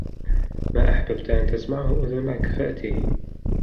مَا أَحْبَبْت أَنْ تَسْمَعَهُ أُذُنَاك فَأْتِهِ